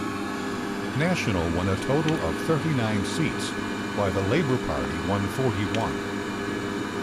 National won a total of thirty-nine seats, while the Labour Party won forty-one.